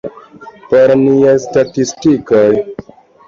Por niaj statistikoj.